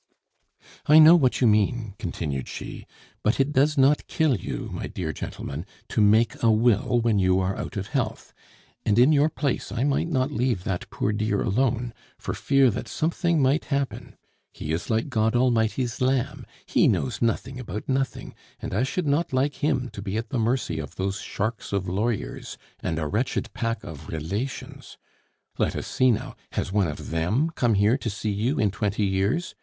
"I know what you mean," continued she. "But it does not kill you, my dear gentleman, to make a will when you are out of health; and in your place I might not leave that poor dear alone, for fear that something might happen; he is like God Almighty's lamb, he knows nothing about nothing, and I should not like him to be at the mercy of those sharks of lawyers and a wretched pack of relations. Let us see now, has one of them come here to see you in twenty years?